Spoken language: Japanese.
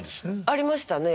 ありましたね。